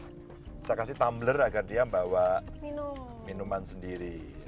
saya kasih tumbler agar dia bawa minuman sendiri